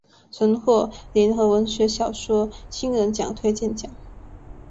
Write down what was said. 曾获联合文学小说新人奖推荐奖。